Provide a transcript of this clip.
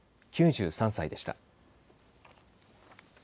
９３歳でした。